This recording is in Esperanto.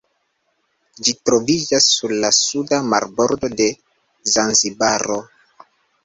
Ĝi troviĝas sur la suda marbordo de Zanzibaro.